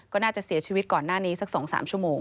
ก็น่าจะเสียชีวิตก่อนหน้านี้สัก๒๓ชั่วโมง